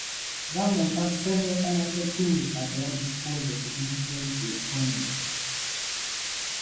Governments have several financial tools at their disposal to influence the economy.